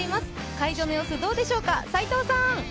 会場の様子どうでしょうか？